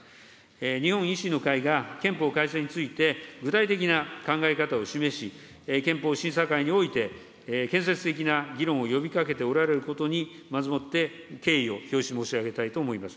日本維新の会が憲法改正について、具体的な考え方を示し、憲法審査会において、建設的な議論を呼びかけておられることに、まずもって敬意を表し申し上げたいと思います。